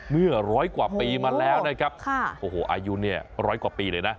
เมื่อร้อยกว่าปีมาแล้วนะครับโอ้โหอายุเนี่ยร้อยกว่าปีเลยนะ